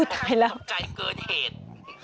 อุ๊ยตายแล้วอย่าพบใจเกินเหตุ